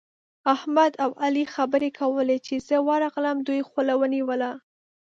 احمد او علي خبرې کولې؛ چې زه ورغلم، دوی خوله ونيوله.